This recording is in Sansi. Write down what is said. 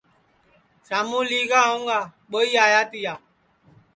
شاموں لیا ہؤگا ٻوئی آیا تیا